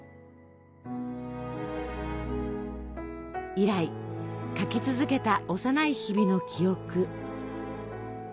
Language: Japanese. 以来書き続けた幼い日々の記憶。